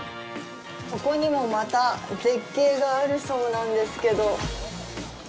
ここにもまた絶景があるそうなんですけど。